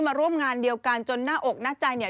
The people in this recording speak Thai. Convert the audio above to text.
มาร่วมงานเดียวกันจนหน้าอกหน้าใจเนี่ย